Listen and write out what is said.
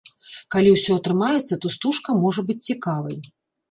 Калі ўсё атрымаецца, то стужка можа быць цікавай.